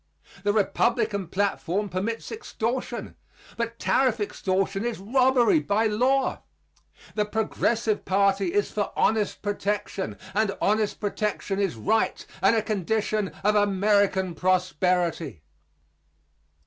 The Republican platform permits extortion; but tariff extortion is robbery by law. The Progressive party is for honest protection; and honest protection is right and a condition of American prosperity.